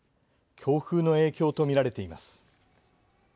強風の影響と見られています。